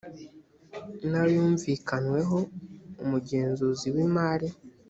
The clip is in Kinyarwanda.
n ayumvikanyweho umugenzuzi w imari